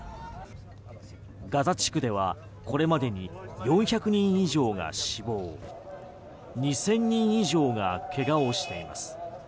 ガザ地区ではこれまでに４００人以上が死亡２０００人以上が怪我をしています。